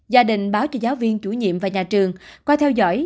gia đình báo cho giáo viên chủ nhiệm và nhà trường qua theo dõi